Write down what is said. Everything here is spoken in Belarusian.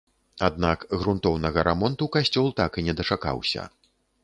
Аднак грунтоўнага рамонту касцёл так і не дачакаўся.